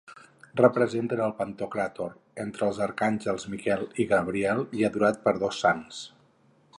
Representen el Pantocràtor entre els arcàngels Miquel i Gabriel i adorat per dos sants.